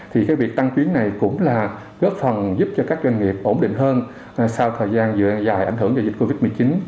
thì cái việc tăng chuyến này cũng là góp phần giúp cho các doanh nghiệp ổn định hơn sau thời gian dài ảnh hưởng do dịch covid một mươi chín